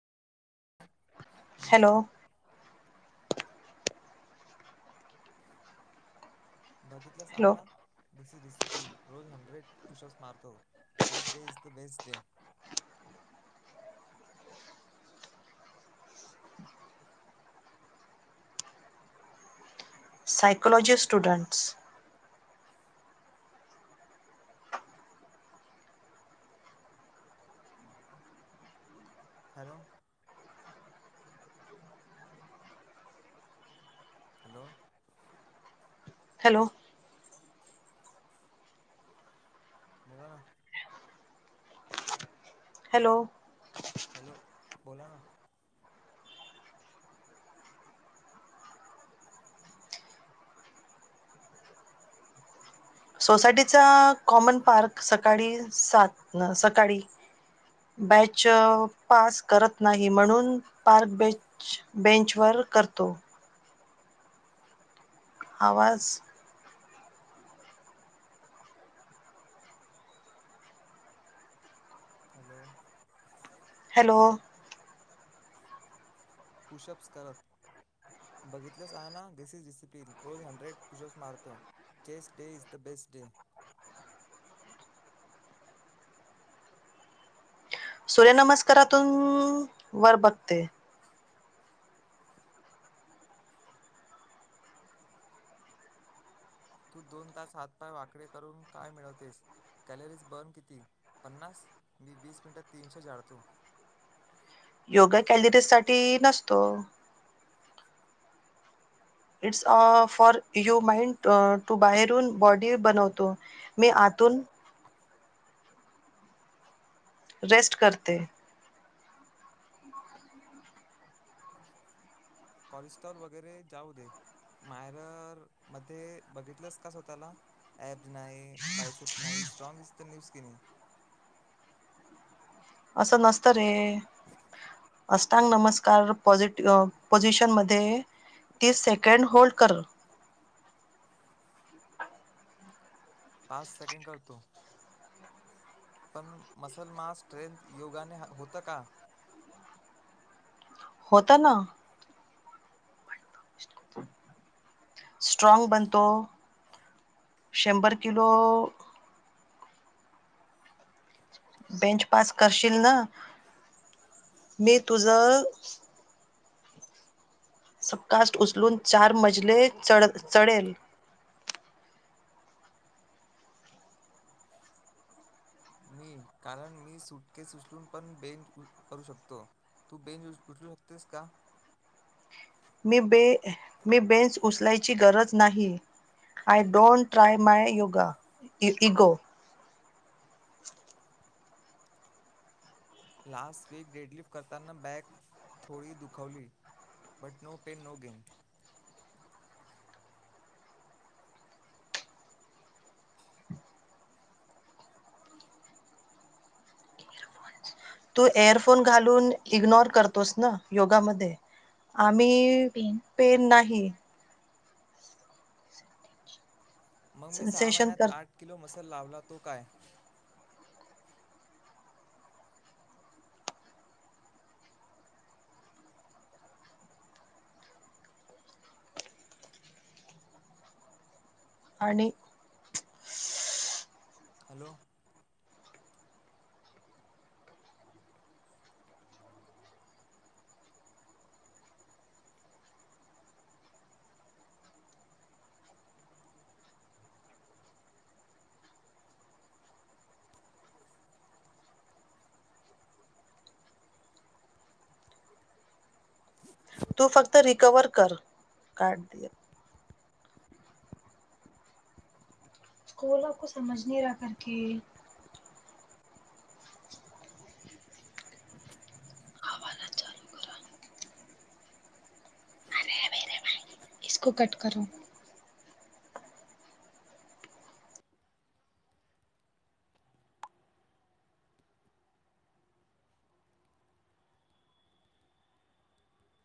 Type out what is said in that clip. Hello, बघितलं सहा hello ना. डीसी डिसीप्लेन रोज हंड्रेड पुष्पस मारतो. Chess day is the best day. Psychology students. Hello, hello, hello, बोला ना? हॅलो, हॅलो, बोला ना? सोसायटीचा कॉमन पार्क सकाळी सात ना. सकाळी बॅच पास करत नाही म्हणून, पार्क बेच बेंचवर करतो. आवाज, हॅलो, हॅलो, पुषब्स करत. बघितलंस आहा ना. दिस इज डिसिप्लेन रोज हंड्रेड पुशप्स मारतो. Chess day is the best day. सूर्यनमस्कारातून वर बघते. तू दोन तास हातपाय वाकडे करून काय मिळवतेस? कॅलरीज बर्न किती? पन्नास. मी वीस मिनटात तीनशे जाळतो. योगा कॅलरीज साठी नसतो. It's a for U mind to बाहेरून बॉडी बनवतो. मी आतून रेस्ट करते. कोलेस्ट्रॉल वगैरे जाऊ दे. मायरर मध्ये बघितलंस का स्वतःला? एप्ज नाही. बायसेप्स नाही. स्ट्रॉग तर न्यूज की नाही. असं नसतं रे अस तांग नमस्कार पोझीट पोझिशन मध्ये तीस सेकंड होल्ड कर. पाच सेकंड करतो. पण मसल, मांस, स्ट्रेंथ योगाने होतं का? होत ना. स्ट्रॉंग बनतो. शंभर किलो. बेंच पास करशील ना मी तुझ. सबकास्ट उचलून चार मजले चढ चडेल. मी कारण मी सुटकेस उचलून पण बेंच करू शकतो. तू बेंच उ उचलू शकतेस का. मी बे मी बेंच उचलायची गरज नाही. I don't try my yoga in ego. Last week deadlift करताना बॅक थोडी दुखावली. But no pain no gain. तू एअरफोन घालून इग्नोर करतोस ना योगामध्ये. आम्ही पेन नाही. मग मी सहा सेन्सेशन महिन्यात कर आठ किलो मसल लावला तो काय. आणि. हॅलो. तू फक्त रिकवर कर कार्ड दे. स्कूलक समज नाही रा कर के [inaudible] इक कट करू [inaudible]